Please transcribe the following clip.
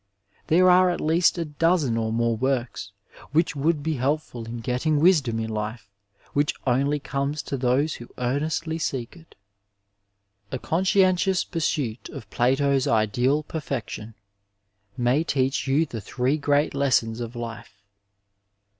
There are at least a dozen or more works which would be helpful in getting wisdom in life which only comes to those who earnestly seek it. ^ A conscientious pursuit of Plato's ideal perfeetion may teach you the three great lessons of life.